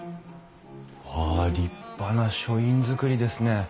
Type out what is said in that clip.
ああ立派な書院造りですね。